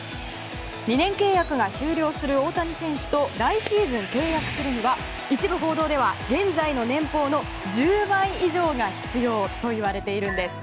２年契約が終了する大谷選手と来シーズン契約するには一部報道では現在の年俸の１０倍以上が必要と言われているんです。